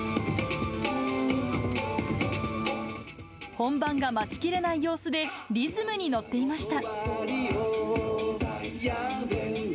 本番が待ちきれない様子で、リズムに乗っていました。